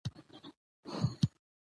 زغال د افغان ماشومانو د لوبو موضوع ده.